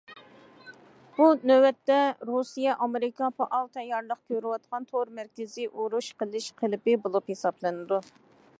بۇ، نۆۋەتتە رۇسىيە ئامېرىكا پائال تەييارلىق كۆرۈۋاتقان تور مەركىزى ئۇرۇش قىلىش قېلىپى بولۇپ ھېسابلىنىدۇ.